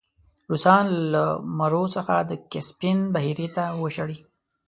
روسان له مرو څخه د کسپین بحیرې ته وشړی.